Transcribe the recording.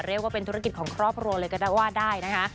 เรียกว่าเป็นธุรกิจของครอบครัวเลยก็ได้ว่าได้นะคะ